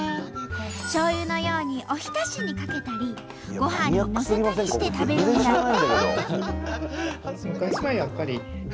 しょうゆのようにおひたしにかけたりごはんにのせたりして食べるんだって！